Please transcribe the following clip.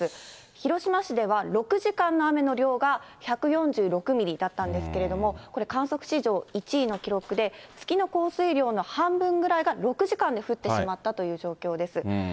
広島市では６時間の雨の量が１４６ミリだったんですけれども、これ、観測史上１位の記録で、月の降水量の半分ぐらいが６時間で降ってしまったという状況です。